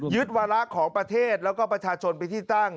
วาระของประเทศแล้วก็ประชาชนเป็นที่ตั้ง